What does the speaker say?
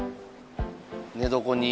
寝床に。